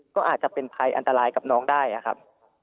ก็อาจจะเป็นภัยอันตรายกับน้องได้ครับ